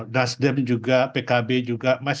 dasdem juga pkb juga